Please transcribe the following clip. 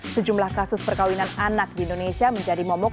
sejumlah kasus perkawinan anak di indonesia menjadi momok